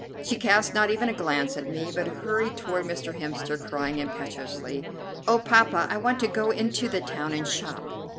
She cast not even a glance at me, but hurried toward Mr. Hemster, crying impetuously: "Oh, Poppa! I want to go into the town and shop!"